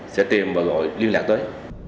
sẽ tìm và gọi liên lạc tới